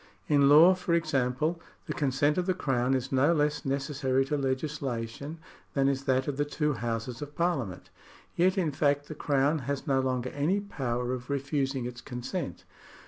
In law, for example, the consent of the Crown is no less necessary to legislation, than is that of the two houses of Par liament. Yet in fact the Crown has no longer any power of refusing its consent.